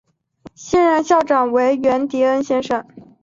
现任校长为源迪恩先生。